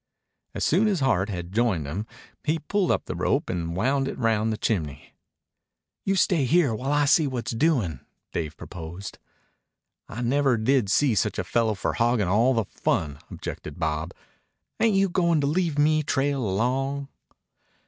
As soon as Hart had joined him he pulled up the rope and wound it round the chimney. "You stay here while I see what's doin'," Dave proposed. "I never did see such a fellow for hoggin' all the fun," objected Bob. "Ain't you goin' to leave me trail along?"